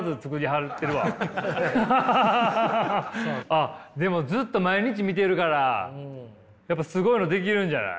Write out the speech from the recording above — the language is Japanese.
あっでもずっと毎日見てるからやっぱすごいの出来るんじゃない？